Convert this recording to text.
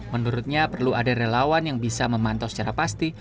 menurutnya perlu ada relawan yang bisa memantau secara pasti